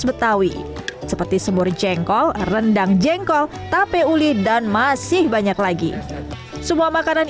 betawi seperti semur jengkol rendang jengkol tape uli dan masih banyak lagi semua makanan